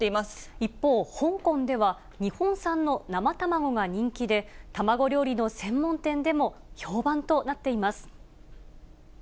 一方、香港では、日本産の生卵が人気で、卵料理の専門店も評判となっています。